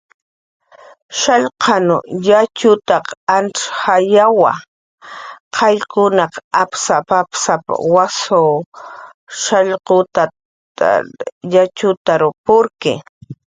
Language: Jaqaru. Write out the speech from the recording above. "Punan yatxutaq antz jayankiwa: qayllkunaq apsap"" apsap"" wasanw shaykutsan yatxutar purki."